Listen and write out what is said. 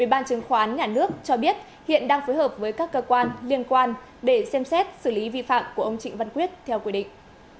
ủy ban chứng khoán nhà nước cho biết hiện đang phối hợp với các cơ quan liên quan để xem xét xử lý vi phạm của ông trịnh văn quyết theo quy định